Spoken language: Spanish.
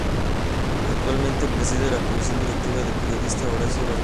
Actualmente preside la comisión directiva el periodista Horacio Verbitsky.